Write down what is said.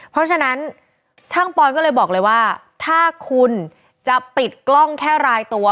เพราะฉะนั้นช่างปอนก็เลยบอกเลยว่าถ้าคุณจะปิดกล้องแค่รายตัว